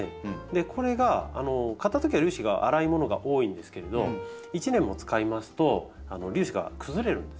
これが買ったときは粒子が粗いものが多いんですけれど１年も使いますと粒子が崩れるんですね。